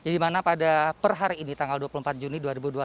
di mana pada per hari ini tanggal dua puluh empat juni dua ribu dua puluh